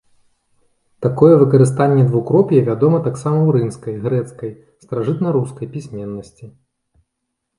Такое выкарыстанне двукроп'я вядома таксама ў рымскай, грэцкай, старажытнарускай пісьменнасці.